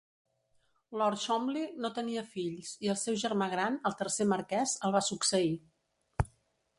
Lord Cholmondeley no tenia fills i el seu germà gran, el tercer marquès, el va succeir.